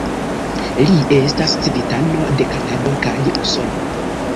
Li estas civitano de Kanado kaj Usono.